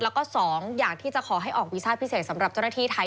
แล้วก็๒อยากที่จะขอให้ออกวีซ่าพิเศษสำหรับเจ้าหน้าที่ไทย